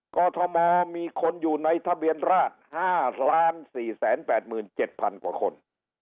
กรทมมีคนอยู่ในทะเบียนราช๕๔๘๗๐๐กว่าคน